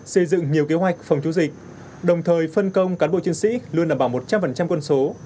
xây dựng nhiều kế hoạch phòng chống dịch đồng thời phân công cán bộ chiến sĩ luôn đảm bảo một trăm linh quân số